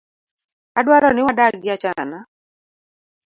Adwaro ni wadagi achana.